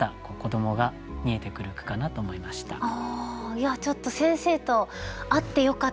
いやちょっと先生と合ってよかったです。